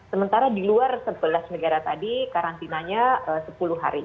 sementara di luar sebelas negara tadi karantinanya sepuluh hari